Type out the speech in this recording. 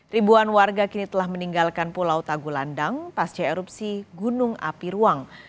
ribuan warga kini telah meninggalkan pulau tagulandang pasca erupsi gunung api ruang